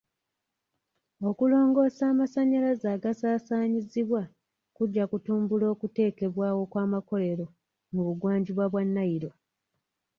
Okulongoosa amasanyalaze agasaasaanyizibwa kujja kutumbula okuteekebwawo kw'amakolero mu bugwanjuba bwa Nile.